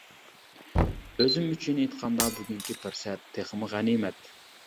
ئۆزۈم ئۈچۈن ئېيتقاندا، بۈگۈنكى پۇرسەت تېخىمۇ غەنىيمەت.